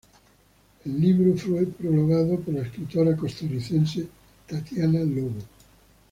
El libro fue prologado por la escritora costarricense Tatiana Lobo.